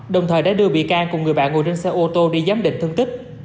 đồng thời đã đưa bị can cùng người bạn ngồi trên xe ô tô đi giám định thương tích